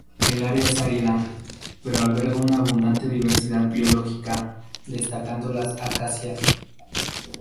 El área es árida, pero alberga una abundante diversidad biológica, destacando las acacias.